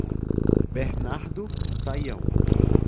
Bernardo Sayão